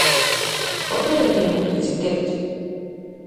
Потребен ти е публицитет.